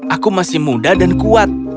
aku masih muda dan kuat